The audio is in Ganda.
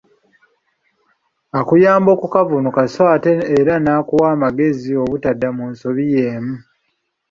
Akuyamba okukavvuunuka so ate era nakuwa n'amagezi obutadda mu nsobi yeemu.